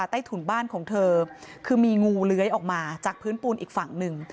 ใต้ถุนบ้านของเธอคือมีงูเลื้อยออกมาจากพื้นปูนอีกฝั่งหนึ่ง